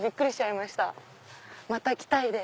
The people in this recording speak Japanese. また来たいです。